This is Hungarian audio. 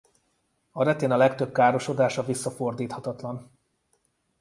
A retina legtöbb károsodása visszafordíthatatlan.